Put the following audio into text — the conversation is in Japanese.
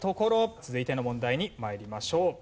続いての問題に参りましょう。